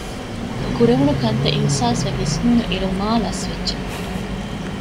ކުރެވުނުކަންތައް އިހުސާސްވެ ވިސްނުނުއިރު މާލަސްވެއްޖެ